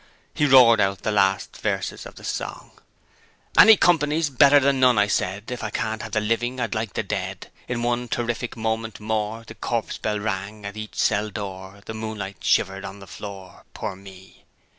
He roared out the last verses of the song: Any company's better than none, I said: If I can't have the living, I'd like the dead. In one terrific moment more, The corpse bell rang at each cell door, The moonlight shivered on the floor Poor me!